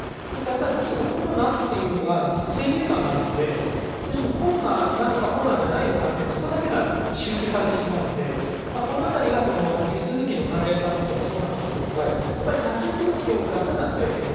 どうしてもコロナというのが先入観があるので、コロナなのかコロナじゃないのか、というところだけが集中されてしまうので、このあたりが手続きの簡略化というのもそうですが、発生届けを出さなくてはいけない。